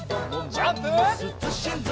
ジャンプ！